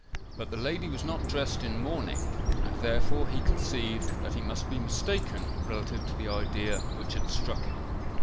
But the lady was not dressed in mourning; and therefore he conceived that he must be mistaken relative to the idea which had struck him.